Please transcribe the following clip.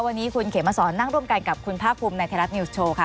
วันนี้คุณเขตมาสอนนั่งร่วมกันกับคุณพระอาคมในเทลักนิวส์โชว์ค่ะ